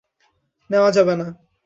নেওয়া যাবে না।